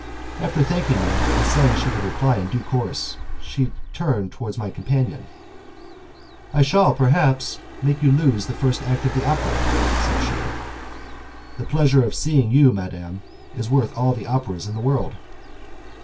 After thanking me and saying she would reply in due course, she turned towards my companion: "I shall, perhaps, make you lose the first act of the opera," said she. "The pleasure of seeing you, madam, is worth all the operas in the world."